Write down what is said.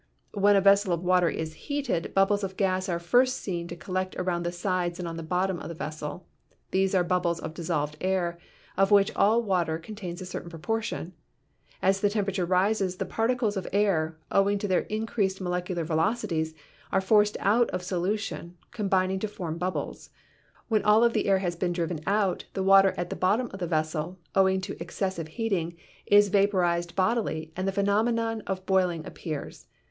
When a vessel of water is heated, bubbles of gas are first seen to collect around the sides and on the bottom of the vessel. These are bubbles of dissolved air, of which all water contains a certain proportion. As the temperature rises the particles of air, owing to their increased molec ular velocities, are forced out of solution, combining to form bubbles. When all the air has been driven out the water at the bottom of the vessel, owing to excessive heat ing, is vaporized bodily and the phenomenon of boiling appears.